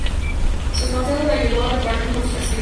Sus consejos les ayudó a preparar mejor sus creaciones.